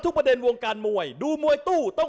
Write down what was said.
ดาบดำเล่นงานบนเวลาตัวด้วยหันขวา